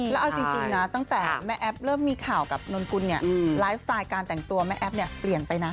แล้วเอาจริงนะตั้งแต่แม่แอ๊บเริ่มมีข่าวกับนนกุลเนี่ยไลฟ์สไตล์การแต่งตัวแม่แอ๊บเนี่ยเปลี่ยนไปนะ